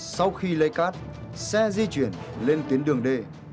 sau khi lấy cát xe di chuyển lên tuyến đường d